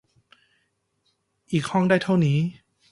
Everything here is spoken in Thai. อีกห้องได้เท่านี้